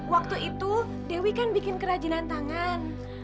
waktu itu dewi kan bikin kerajinan tangan